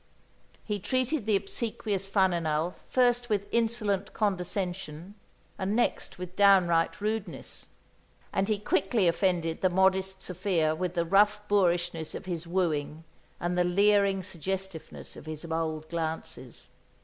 He treated the obsequious Faninal first with insolent condescension and next with downright rudeness; and he quickly offended the modest Sophia with the rough boorishness of his wooing and the leering suggestiveness of his bold glances.